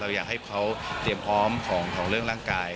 อยากให้เขาเตรียมพร้อมของเรื่องร่างกาย